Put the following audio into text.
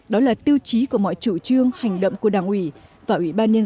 đó là tiêu chí của mọi chủ trương hành động của đảng ủy và ủy ban nhân dân xã đoàn hạ